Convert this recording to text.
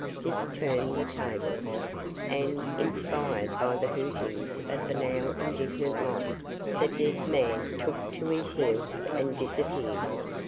This turned the tables, and, inspired by the hootings of the now indignant mob, the "dead man" took to his heels and disappeared.